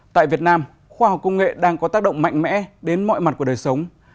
tại việt nam khoa học công nghệ đang có tác động mạnh mẽ đến mọi mặt của đời sống